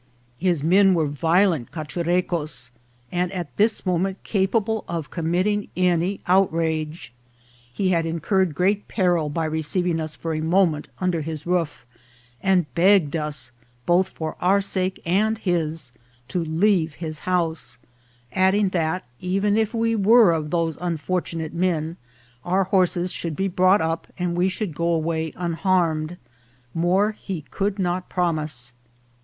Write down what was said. his men were violent Cachurecos, and at this moment capable of committing any outrage. He had incurred great peril by receiving us for a moment under his roof, and begged us, both for our own sake and his, to leave his house ; adding that, even if we were of those unfor tunate men, our horses should be brought up and we should go away unharmed ; more he could not promise.